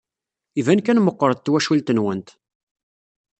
Iban kan meɣɣret twacult-nwent.